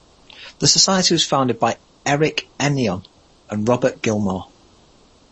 The society was founded by Eric Ennion and Robert Gillmor.